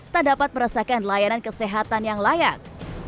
tak dapat merasakan layanan kesehatan yang layak